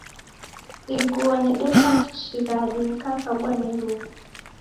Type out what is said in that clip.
Iguo nedeka shighadi nikikabwa ni iruw'a